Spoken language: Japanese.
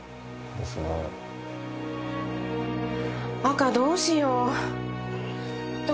赤どうしよう。